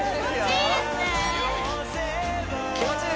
あっ気持ちいい